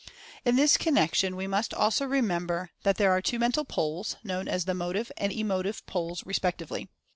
In this connection, we must also remember that there are two Mental Poles, known as the Motive and Emotive Poles, respectively.